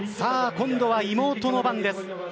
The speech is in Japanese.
今度は妹の番です。